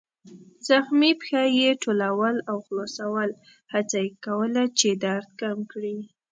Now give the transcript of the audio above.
زخمي پښه يې ټولول او خلاصول، هڅه یې کوله چې درد کم کړي.